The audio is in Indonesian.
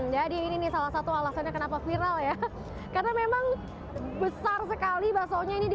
jadi ini salah satu alasannya kenapa viral ya karena memang besar sekali bakso nya ini di